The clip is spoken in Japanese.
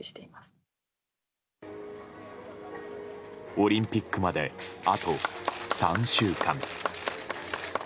オリンピックまであと３週間。